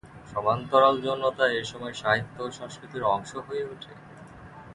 সমান্তরাল যৌনতা এ সময় সাহিত্য ও সংস্কৃতির অংশ হয়ে উঠে।